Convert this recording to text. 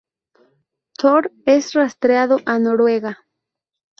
Thor es rastreado a Noruega.